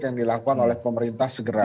yang dilakukan oleh pemerintah segera